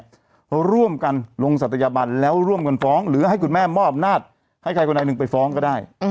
ร่วมกันลงศัตยบันแล้วร่วมกันฟ้องหรือให้คุณแม่มอบอำนาจให้ใครคนใดหนึ่งไปฟ้องก็ได้